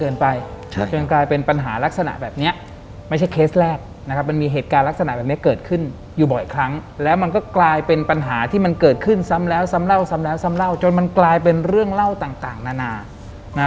จนกลายเป็นปัญหาลักษณะแบบเนี้ยไม่ใช่เคสแรกนะครับมันมีเหตุการณ์ลักษณะแบบนี้เกิดขึ้นอยู่บ่อยครั้งแล้วมันก็กลายเป็นปัญหาที่มันเกิดขึ้นซ้ำแล้วซ้ำเล่าซ้ำแล้วซ้ำเล่าจนมันกลายเป็นเรื่องเล่าต่างนานานะ